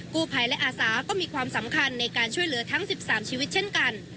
กู้ภัยและอาสาก็มีความสำคัญในการช่วยเหลือทั้ง๑๓ชีวิตเช่นกัน